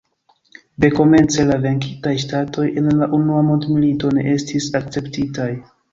Dekomence la venkitaj ŝtatoj en la Unua Mondmilito ne estis akceptitaj.